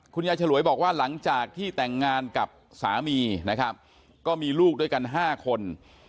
ฉลวยบอกว่าหลังจากที่แต่งงานกับสามีนะครับก็มีลูกด้วยกัน๕คน